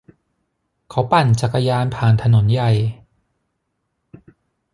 เขาปั่นจักรยานผ่านถนนใหญ่